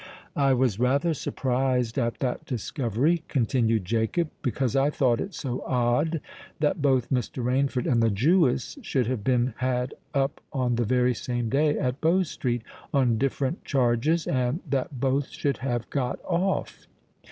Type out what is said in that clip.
"I was rather surprised at that discovery," continued Jacob; "because I thought it so odd that both Mr. Rainford and the Jewess should have been had up on the very same day at Bow Street, on different charges, and that both should have got off."